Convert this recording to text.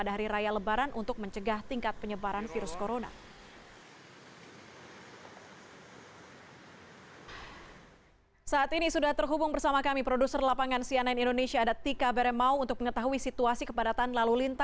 hanya sebentar getaran terasa cukup kuat